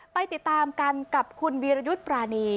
ไปติดตามกันกับคุณวีรยุทธ์ปรานี